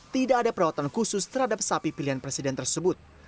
tidak ada perawatan khusus terhadap sapi pilihan presiden tersebut